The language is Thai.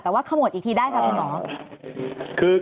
แต่ว่าขมวดอีกทีได้ค่ะคุณหมอ